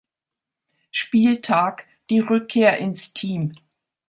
Spieltag die Rückkehr ins Team.